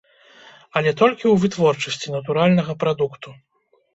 Але толькі ў вытворчасці натуральнага прадукту.